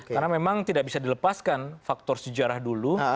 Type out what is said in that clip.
karena memang tidak bisa dilepaskan faktor sejarah dulu